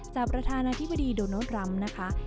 จากประธานาธิบดีโดนโน้ตรัมนะคะ